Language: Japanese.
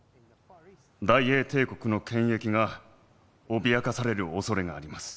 大英帝国の権益が脅かされるおそれがあります。